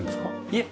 いえ。